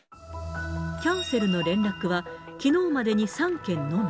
キャンセルの連絡は、きのうまでに３件のみ。